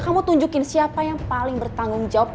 kamu tunjukin siapa yang paling bertanggung jawab